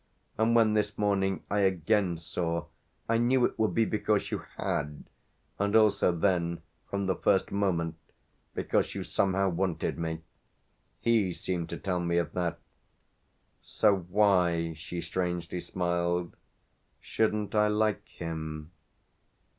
And when this morning I again saw I knew it would be because you had and also then, from the first moment, because you somehow wanted me. He seemed to tell me of that. So why," she strangely smiled, "shouldn't I like him?"